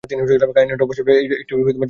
কাহিনীটা অবশ্য একটু জটিলই বলা চলে!